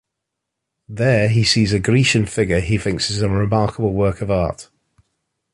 There he sees a Grecian figure he thinks is a remarkable work of art.